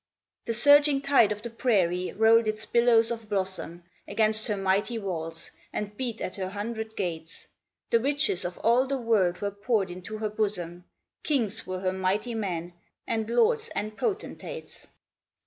The surging tide of the prairie rolled its billows of blossom Against her mighty walls, and beat at her hundred gates; The riches of all the world were poured into her bosom, Kings were her mighty men, and lords, and potentates.